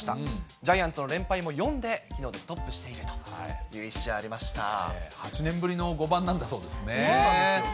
ジャイアンツの連敗も４できのうでストップしているという試合で８年ぶりの５番なんだそうですね。